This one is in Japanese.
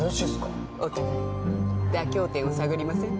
お互いに妥協点を探りません？